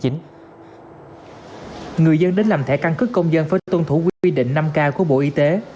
người dân đến làm thẻ căn cứ công dân phải tuân thủ quy định năm k của bộ y tế